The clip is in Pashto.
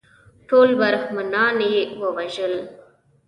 ټول برهمنان یې ووژل.